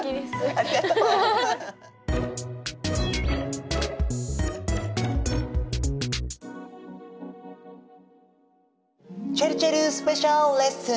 ありがとう。ちぇるちぇるスペシャルレッスン。